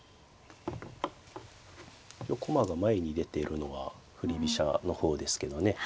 駒が前に出ているのは振り飛車の方ですけどね。